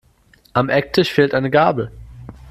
Am Ecktisch fehlt eine Gabel.